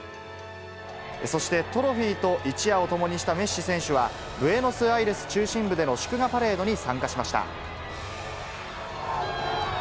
そしてトロフィーと一夜を共にしたメッシ選手は、ブエノスアイレス中心部での祝賀パレードに参加しました。